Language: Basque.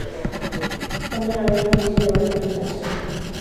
Joan den abenduan bideo baten bitartez.